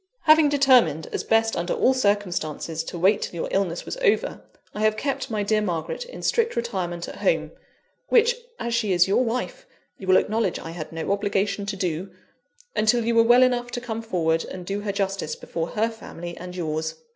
"Having determined, as best under all circumstances, to wait till your illness was over, I have kept my dear Margaret in strict retirement at home (which, as she is your wife, you will acknowledge I had no obligation to do), until you were well enough to come forward and do her justice before her family and yours.